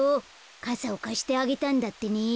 かさをかしてあげたんだってね。